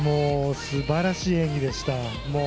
すばらしい演技でした。